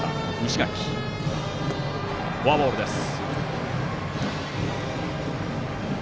フォアボールです。